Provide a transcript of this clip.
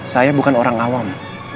saya bukan orang awam